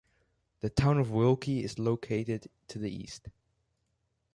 The town of Wilkie is located to the east.